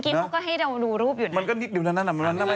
คือนั่นจริงเมื่อกี้เขาก็ให้เราดูรูปอยู่เนี่ย